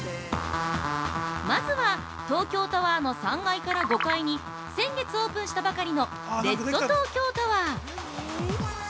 まずは、東京タワーの３階から５階に先月オープンしたばかりのレッドトーキョータワー。